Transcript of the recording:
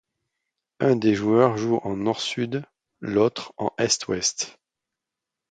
Un des joueurs joue en nord-sud, l'autre en est-ouest.